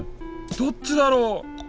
どっちだろ？